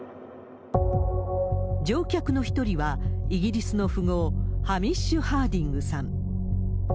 乗客の１人は、イギリスの富豪、ハミッシュ・ハーディングさん。